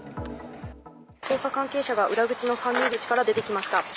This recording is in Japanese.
捜査関係者が裏口の関係者口から出てきました。